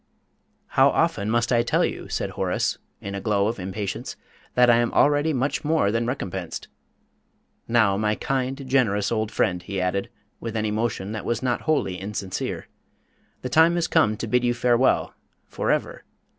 "How often must I tell you," said Horace, in a glow of impatience, "that I am already much more than recompensed? Now, my kind, generous old friend," he added, with an emotion that was not wholly insincere, "the time has come to bid you farewell for ever.